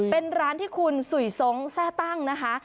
เป็นร้านที่คุณสุยทรงแทร่ตั้งนะคะ